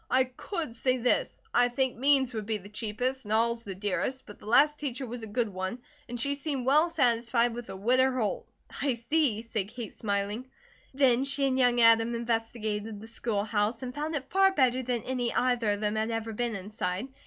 I COULD say this: I think Means would be the cheapest, Knowls the dearest, but the last teacher was a good one, an' she seemed well satisfied with the Widder Holt." "I see," said Kate, smiling. Then she and young Adam investigated the schoolhouse and found it far better than any either of them had ever been inside.